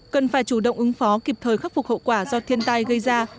cần phải chủ động ứng phó kịp thời khắc phục hậu quả do thiên tai gây ra